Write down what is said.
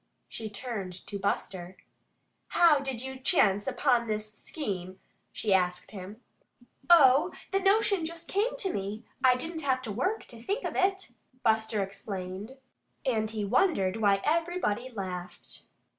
She turned to Buster. "How did you chance upon this scheme?" she asked him. "Oh, the notion just came to me. I didn't have to WORK, to think of it," Buster explained. And he wondered why everybody laughed.